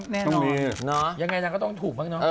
แน่นอนต้องมีเนาะยังไงน่ะก็ต้องถูกมากเนาะ